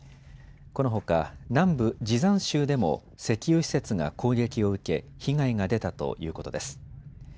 このほか南部ジザン州でも石油施設が攻撃を受け、被害が出たということです。